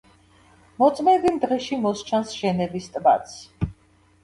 მოწმენდილ დღეში მოსჩანს ჟენევის ტბაც.